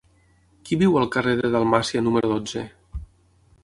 Qui viu al carrer de Dalmàcia número dotze?